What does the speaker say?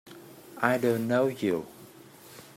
I don't know you!